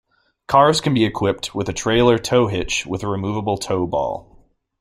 Cars can be equipped with a trailer tow hitch with a removable tow ball.